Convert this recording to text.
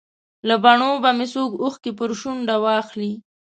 له بڼو به مې څوک اوښکې پر شونډه واخلي.